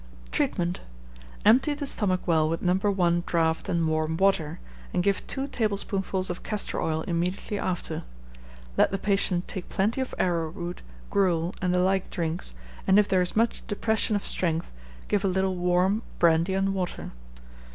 Treatment. Empty the stomach well with No. 1 draught and warm water, and give two tablespoonfuls of castor oil immediately after. Let the patient take plenty of arrowroot, gruel, and the like drinks, and if there is much depression of strength, give a little warm brandy and water.